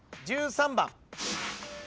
１３番。